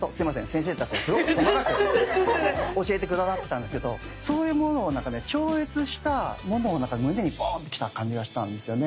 先生たちがすごく細かく教えて下さったんですけどそうしたものを超越したものを胸にボンッてきた感じがしたんですよね。